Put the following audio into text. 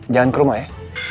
jangan ke rumah ya